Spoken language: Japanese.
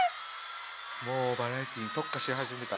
もうバラエティーに特化し始めた。